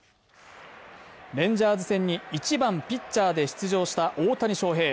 レンジャーズ戦に１番ピッチャーで出場した大谷翔平